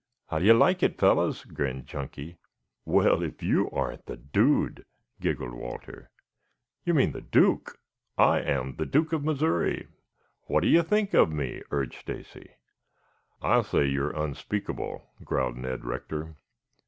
"How do you like it, fellows?" grinned Chunky. "Well, if you aren't the dude," giggled Walter. "You mean the duke. I am the Duke of Missouri. What do you think of me," urged Stacy. "I'll say you are unspeakable," growled Ned Rector.